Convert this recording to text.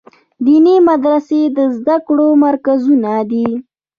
دیني مدرسې د زده کړو مرکزونه دي.